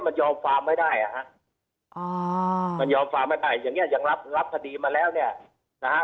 มันยอมความไม่ได้อย่างนี้ยังรับพอดีมาแล้วเนี่ย